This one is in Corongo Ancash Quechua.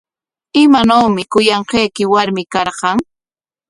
¿Imanawmi kuyanqayki warmi karqan?